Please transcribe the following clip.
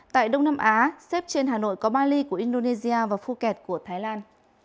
tại đông nam á xếp trên hà nội có bali của indonesia và phuket của thái lan